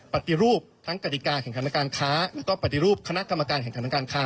ปฏิรูปทั้งกฎิกาของธนการค้าและก็ปฏิรูปคณะกรรมการของธนการค้า